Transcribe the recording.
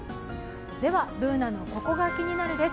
Ｂｏｏｎａの「ココがキニナル」です。